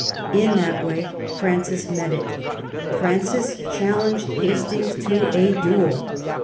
In that way Francis met it. Francis challenged Hastings to a duel.